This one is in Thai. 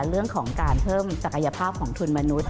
เรื่องของการเพิ่มศักยภาพของทุนมนุษย